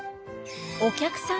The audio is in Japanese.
お客さん